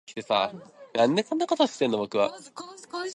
体脂肪率